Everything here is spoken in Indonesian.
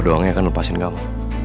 doangnya akan lepasin kamu